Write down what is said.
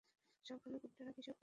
সে বলে গুডরা কৃষক পরিবার নয়।